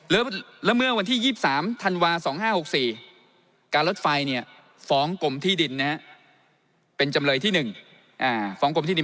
แล้วเมื่อวันที่๒๓ธันวา๒๕๖๔การรถไฟฟ้องกลมที่ดิน